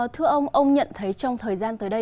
thưa ông ông nhận thấy trong thời gian tới đây